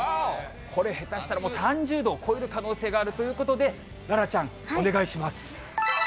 これ、下手したらもう３０度を超える可能性があるということで、楽々ちゃん、お願いします。